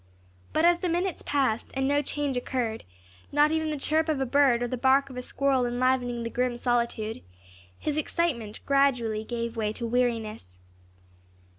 But as the minutes passed, and no change occurred, not even the chirp of a bird or the bark of a squirrel enlivening the grim solitude, his excitement gradually gave way to weariness.